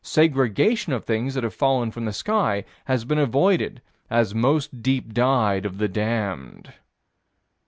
Segregation of things that have fallen from the sky has been avoided as most deep dyed of the damned.